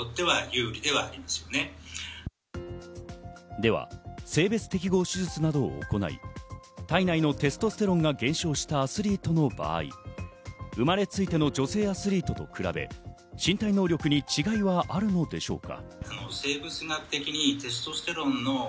では、性別適合手術などを行い体内のテストステロンが減少したアスリートの場合、生まれついての女性アスリートと比べ、身体能力に違いはあるのでしょうか？